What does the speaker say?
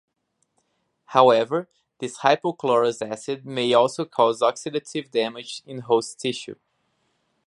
However, this hypochlorous acid may also cause oxidative damage in host tissue.